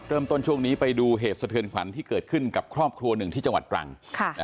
ช่วงนี้ไปดูเหตุสะเทือนขวัญที่เกิดขึ้นกับครอบครัวหนึ่งที่จังหวัดตรัง